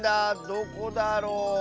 どこだろう。